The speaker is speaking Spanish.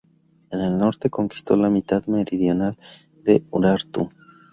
En el norte conquistó la mitad meridional de Urartu.